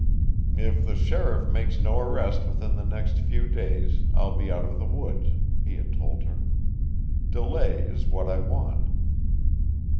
"If the sheriff makes no arrest within the next few days, I'll be out of the woods," he had told her. "Delay is what I want."